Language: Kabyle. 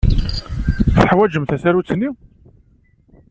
Teḥwajem tasarut-nni?